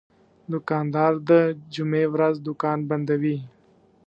دوکاندار د جمعې ورځ دوکان بندوي.